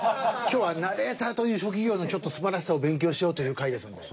今日はナレーターという職業のちょっと素晴らしさを勉強しようという回ですので。